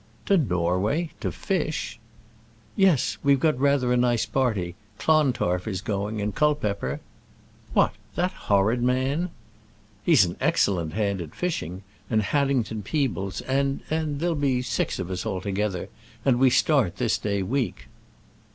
"To Norway, to fish!" "Yes. We've got rather a nice party. Clontarf is going, and Culpepper " "What, that horrid man!" "He's an excellent hand at fishing; and Haddington Peebles, and and there'll be six of us altogether; and we start this day week."